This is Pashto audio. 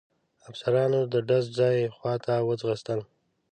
افسرانو د ډز ځای خواته وځغستل.